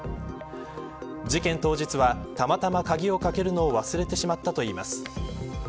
事件当日は、たまたま鍵をかけるの忘れてしまったといいます。